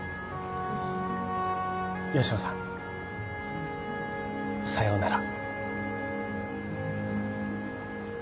吉野さんさようなら。